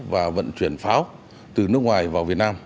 và vận chuyển pháo từ nước ngoài vào việt nam